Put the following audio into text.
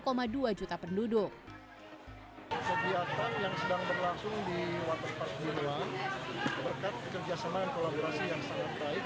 vaksinasi yang digelar pelaku usaha waterpark binuang berkait kerjasama dan kolaborasi yang sangat baik antara pemerintah daerah dan polri